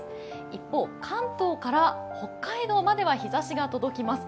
一方、関東から北海道までは日ざしが届きます。